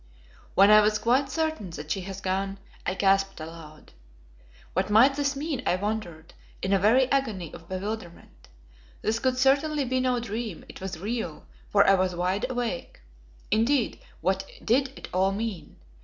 When I was quite certain that she had gone, I gasped aloud. What might this mean, I wondered, in a very agony of bewilderment. This could certainly be no dream: it was real, for I was wide awake. Indeed, what did it all mean?